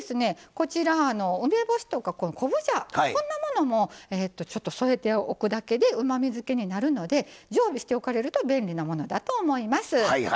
こちら梅干しとか昆布茶こんなものもちょっと添えておくだけでうまみづけになるので常備しておかれると便利なものだと思います。